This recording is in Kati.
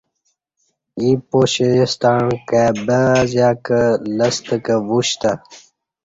ایں پاشے ستݩع کای بہ ا زیہ کہ لستہ کہ وشتہ